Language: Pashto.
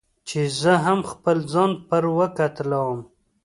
چې زه هم خپل ځان پر وکتلوم.